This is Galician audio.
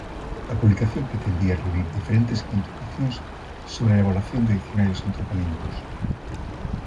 A publicación pretendía reunir diferentes contribucións sobre a elaboración de dicionarios antroponímicos.